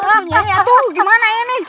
aduh aduh gimana ini